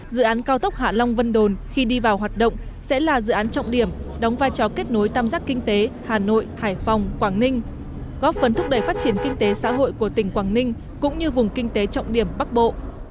dự án cao tốc hạ long vân đồn khi đi vào hoạt động sẽ là dự án trọng điểm đóng vai trò kết nối tam giác kinh tế hà nội hải phòng quảng ninh góp phần thúc đẩy phát triển kinh tế xã hội của tỉnh quảng ninh cũng như vùng kinh tế trọng điểm bắc bộ